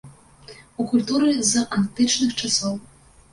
У культуры з антычных часоў.